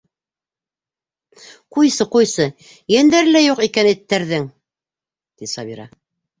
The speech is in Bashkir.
— Ҡуйсы, ҡуйсы, йәндәре лә юҡ икән эттәрҙең... — ти Сабира.